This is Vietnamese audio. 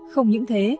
không những thế